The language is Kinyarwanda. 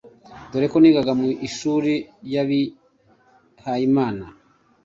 dore ko nigaga mu ishuri ry'abihayimana